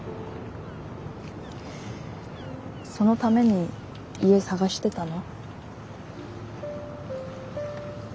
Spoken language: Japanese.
そのために家探してたの？